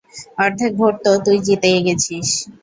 অর্ধেক ভোট তো তুই জিতেই গেছিস।